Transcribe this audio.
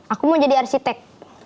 aku mau jadi arsitek